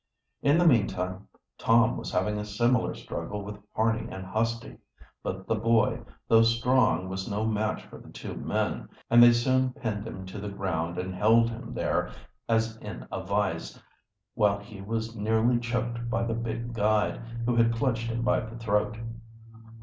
In the meantime Tom was having a similar struggle with Harney and Husty. But the boy, though strong, was no match for the two men, and they soon pinned him to the ground and held him there as in a vise, while he was nearly choked by the big guide, who had clutched him by the throat.